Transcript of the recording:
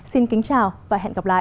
xin kính chào và hẹn gặp lại